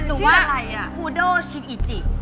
หรือว่าคูโดชินอิจิ